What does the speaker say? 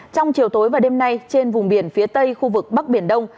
trong chiều tối và đêm nay trên vùng biển phía tây khu vực bắc biển đông